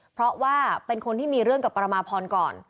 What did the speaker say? เพราะว่าเป็นคนที่มีเรื่องกับปรมาพรก่อน